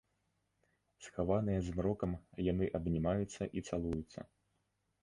Схаваныя змрокам, яны абнімаюцца і цалуюцца.